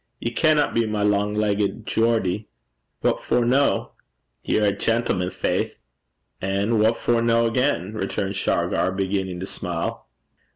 'Ye canna be my lang leggit Geordie.' 'What for no?' 'Ye're a gentleman, faith!' 'An' what for no, again?' returned Shargar, beginning to smile.